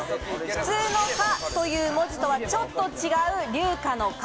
普通の「華」という文字とはちょっと違う龍華の「華」。